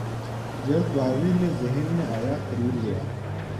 جلد بازی میں ذہن میں آیا خرید لیا